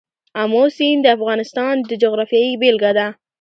آمو سیند د افغانستان د جغرافیې بېلګه ده.